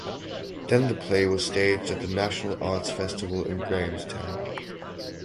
Then the play was staged at the National Arts Festival in Grahamstown.